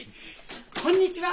こんにちは！